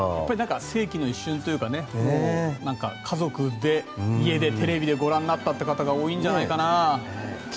世紀の一瞬というか家族で家でテレビでご覧になった方が多いんじゃないかな。